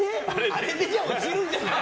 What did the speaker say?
あれじゃ落ちるんじゃない？